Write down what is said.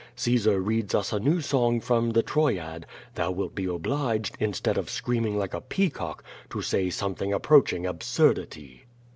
Caesar reads us a new song from the Troyad, thou wilt be obliged, instead of screaming like a peacock, to say something approaching absurdity."